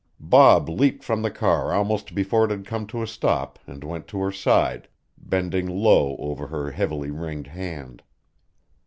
Bob leaped from the car almost before it had come to a stop and went to her side, bending low over her heavily ringed hand.